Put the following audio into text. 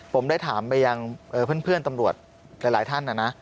ผมได้ถามไปยังเพื่อนตำรวจหลายท่านนะนะ